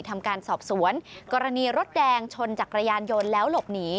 ทำการสอบสวนกรณีรถแดงชนจักรยานยนต์แล้วหลบหนี